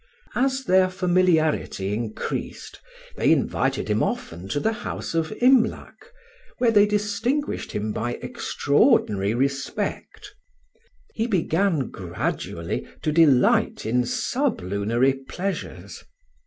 As their familiarity increased, they invited him often to the house of Imlac, where they distinguished him by extraordinary respect. He began gradually to delight in sublunary pleasures.